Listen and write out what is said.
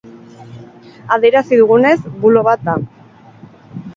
Adierazi dugunez, bulo bat da.